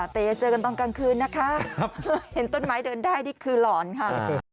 แต่อย่าเจอกันตอนกลางคืนนะคะเห็นต้นไม้เดินได้นี่คือหลอนค่ะ